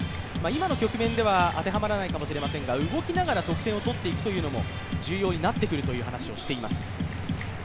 今の局面では当てはまらないかもしれませんが、動きながら得点を取っていくことも重要になってくるという話もしています。